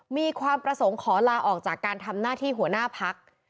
มีความประสงค์ขอลาออกจากการทำหน้าที่หัวหน้าพัก